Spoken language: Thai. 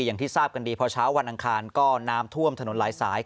อย่างที่ทราบกันดีพอเช้าวันอังคารก็น้ำท่วมถนนหลายสาย